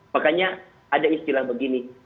makanya ada istilah begini